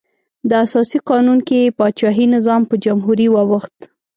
د اساسي قانون کې پاچاهي نظام په جمهوري واوښت.